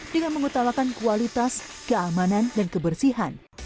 dengan mengutamakan kualitas keamanan dan kebersihan